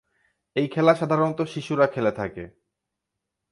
এই খেলা সাধারনত শিশুরা খেলে থাকে।